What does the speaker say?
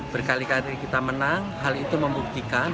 berkali kali kita menang hal itu membuktikan